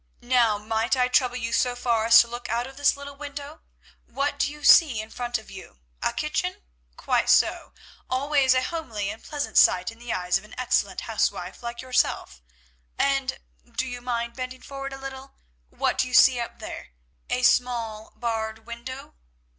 Now might I trouble you so far as to look out of this little window? What do you see in front of you? A kitchen? Quite so; always a homely and pleasant sight in the eyes of an excellent housewife like yourself. And—do you mind bending forward a little? What do you see up there? A small barred window?